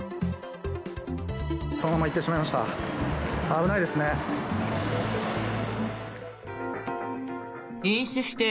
そのまま行ってしまいました。